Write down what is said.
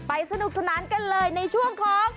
สนุกสนานกันเลยในช่วงของ